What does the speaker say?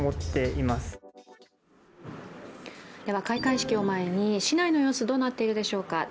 開会式を前に市内の様子どうなっているでしょうか。